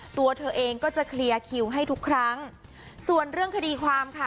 ตัวเธอเองก็จะเคลียร์คิวให้ทุกครั้งส่วนเรื่องคดีความค่ะ